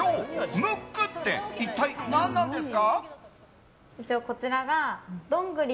ムックって一体、何なんですか？